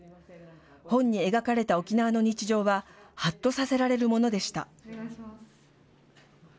本に描かれた沖縄の日常は、はっとさせられるものでした。